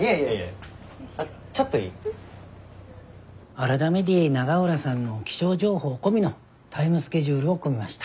改めて永浦さんの気象情報込みのタイムスケジュールを組みました。